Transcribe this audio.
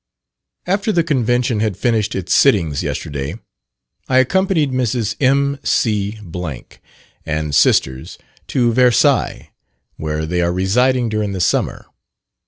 After the Convention had finished its sittings yesterday, I accompanied Mrs. M. C and sisters to Versailles, where they are residing during the summer.